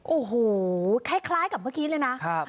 โอ้โหคล้ายคล้ายกับเมื่อกี้เลยนะครับ